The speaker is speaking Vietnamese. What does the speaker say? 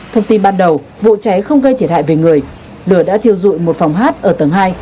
thông tin ban đầu vụ cháy không gây thiệt hại về người lửa đã thiêu dụi một phòng hát ở tầng hai